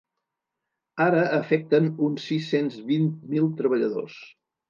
Ara afecten uns sis-cents vint mil treballadors.